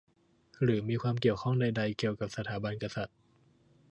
หรือมีความเกี่ยวข้องใดใด เกี่ยวกับสถาบันกษัตริย์